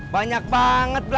salah di jurutera